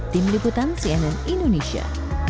tim liputan cnn indonesia